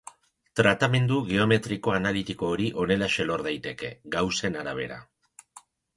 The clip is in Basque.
Tratamendu geometriko-analitiko hori honelaxe lor daiteke, Gaussen arabera.